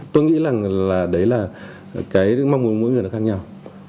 tôi nghĩ là đấy là cái mong muốn mỗi người nó khác nhau